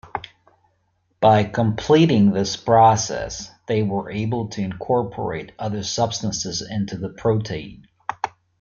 By completing this process, they were able to incorporate other substances into the protein.